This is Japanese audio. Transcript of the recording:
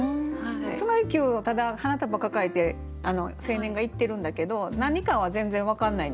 須磨離宮をただ花束抱えて青年が行ってるんだけど何かは全然分かんないんですよね。